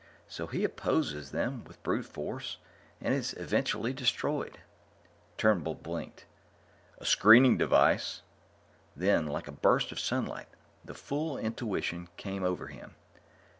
So he opposes them with brute force and is eventually destroyed." Turnbull blinked. "A screening device?" Then, like a burst of sunlight, the full intuition came over him.